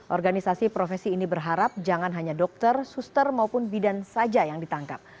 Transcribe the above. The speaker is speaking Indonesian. organisasi profesi ini berharap jangan hanya dokter suster maupun bidan saja yang ditangkap